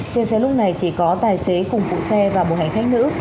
trên xe lúc này chỉ có tài xế cùng cụ xe và một hãnh khách nữ